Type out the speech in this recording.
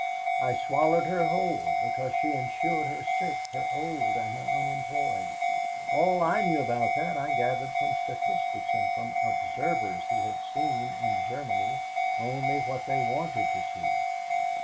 I swallowed her whole, because she insured her sick, her old, and her unemployed. All I knew about that I gathered from statistics and from observers who had seen in Germany only what they wanted to see.